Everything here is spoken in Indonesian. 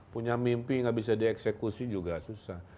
punya mimpi nggak bisa dieksekusi juga susah